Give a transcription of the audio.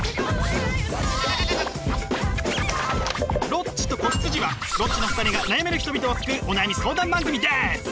「ロッチと子羊」はロッチの２人が悩める人々を救うお悩み相談番組です！